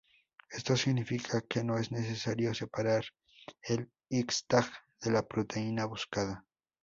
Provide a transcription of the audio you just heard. Esto significa que no es necesario separar el His-tag de la proteína buscada.